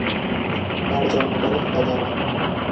তার জন্ম তারিখ অজানা।